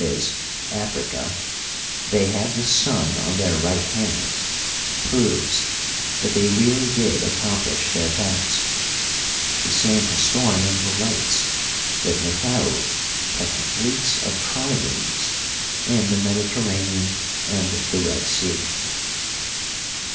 e., Africa) they had the sun on their right hand — proves that they really did accomplish their task. The same historian relates that Nekau kept fleets of triremes in the Mediterranean and the Red Sea.